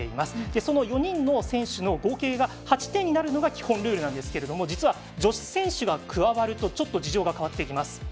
その４人の選手の合計が８点になるのが基本ルールなんですが実は、女子選手が加わるとちょっと事情が変わってきます。